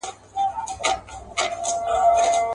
زه یې پروانه غوندي پانوس ته پیدا کړی یم.